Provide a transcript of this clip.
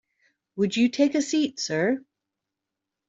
Would you take a seat, sir?